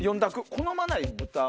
「好まない豚は？」。